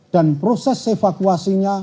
dan proses evakuasinya